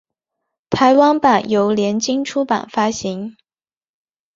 台湾版由联经出版发行。